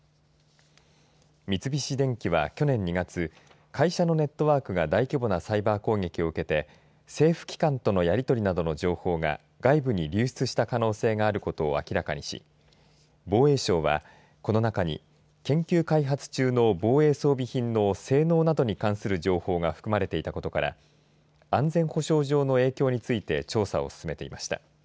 三菱電機は、去年２月会社のネットワークが大規模なサイバー攻撃を受けて政府機関とのやり取りなどの情報が外部に流出した可能性があることを明らかにし防衛省は、この中に研究開発中の防衛装備品の性能などに関する情報が含まれていたことから安全保障上の影響について調査を進めていました。